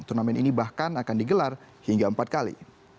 turnamen ini bahkan akan digelar hingga empat kali